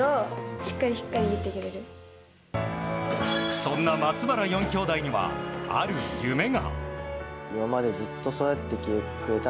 そんな松原４きょうだいにはある夢が。